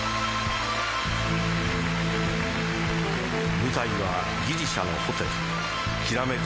舞台はギリシャのホテルきらめく